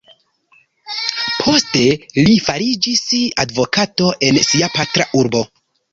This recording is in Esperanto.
Poste li fariĝis advokato en sia patra urbo.